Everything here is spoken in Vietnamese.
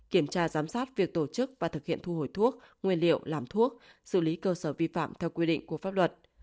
kiểm tra giám sát việc tổ chức và thực hiện thu hồi thuốc nguyên liệu làm thuốc xử lý cơ sở vi phạm theo quy định của pháp luật